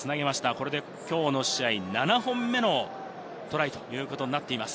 これできょうの試合７本目のトライということになっています。